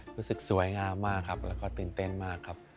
รู้สึกสวยงามมากครับแล้วก็ตื่นเต้นมากครับ